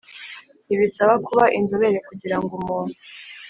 ntibisaba kuba inzobere kugira ngo umuntu